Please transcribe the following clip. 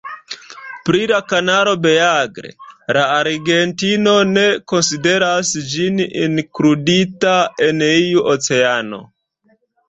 Pri la kanalo Beagle, Argentino ne konsideras ĝin inkludita en iu oceano.